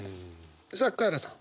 さあカエラさん。